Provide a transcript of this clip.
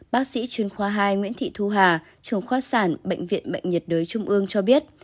bác sĩ chuyên khoa hai nguyễn thị thu hà trường khoa sản bệnh viện bệnh nhiệt đới trung ương cho biết